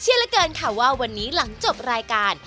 เหลือเกินค่ะว่าวันนี้หลังจบรายการ